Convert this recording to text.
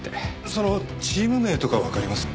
そのチーム名とかわかります？